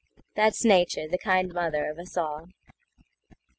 That's Nature, the kind mother of us all.